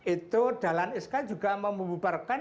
itu dalhan iskandar juga mau membubarkan